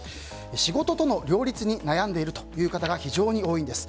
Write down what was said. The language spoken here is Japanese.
仕事との両立に悩んでいるという方が非常に多いんです。